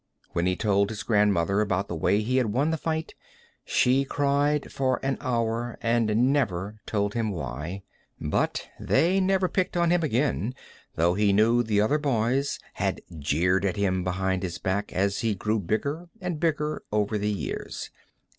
When he told his grandmother about the way he had won the fight she cried for an hour, and never told him why. But they had never picked on him again, though he knew the other boys had jeered at him behind his back as he grew bigger and bigger over the years.